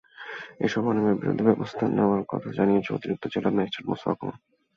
এসব অনিয়মের বিরুদ্ধে ব্যবস্থা নেওয়ার কথা জানিয়েছেন অতিরিক্ত জেলা ম্যাজিস্ট্রেট মোস্তফা কামাল।